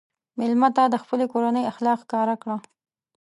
مېلمه ته د خپلې کورنۍ اخلاق ښکاره کړه.